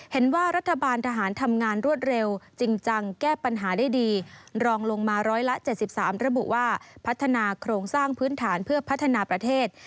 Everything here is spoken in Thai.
เห็นว่ารัฐบาลทหารทำงานรวดเร็วจริงจังแก้ปัญหาได้ดีรองลงมาร้อยละ๗๓ระบุว่าพัฒนาโครงสร้างพื้นฐานเพื่อพัฒนาประเทศ